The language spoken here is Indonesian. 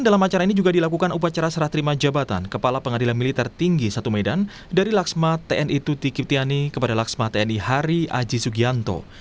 dalam acara ini juga dilakukan upacara serah terima jabatan kepala pengadilan militer tinggi satu medan dari laksma tni tuti kiptiani kepada laksma tni hari aji sugianto